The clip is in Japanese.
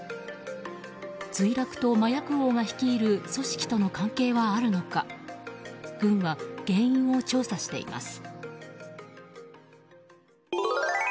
墜落と麻薬王が率いる組織との関係はあるのか軍は原因を調査しています。